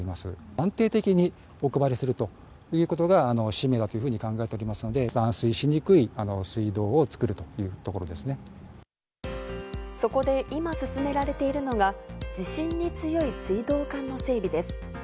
安定的にお配りするということが、使命だというふうに考えておりますので、断水しにくい水道を作るそこで、今進められているのが、地震に強い水道管の整備です。